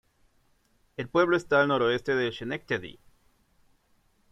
El pueblo está al noroeste de Schenectady.